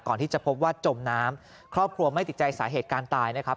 ก่อนที่จะพบว่าจมน้ำครอบครัวไม่ติดใจสาเหตุการณ์ตายนะครับ